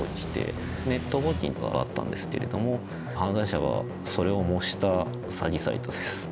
ネット募金が上がったんですけれども犯罪者がそれを模した詐欺サイトです。